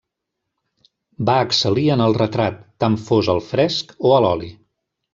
Va excel·lir en el retrat; tant fos al fresc o a l'oli.